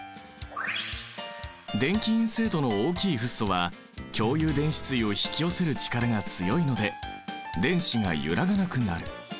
電気陰性度の大きいフッ素は共有電子対を引き寄せる力が強いので電子が揺らがなくなる。